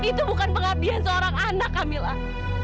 itu bukan pengabdian seorang anak kamila